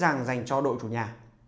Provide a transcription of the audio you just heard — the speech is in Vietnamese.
nhưng khá dễ dàng dành cho đội chủ nhà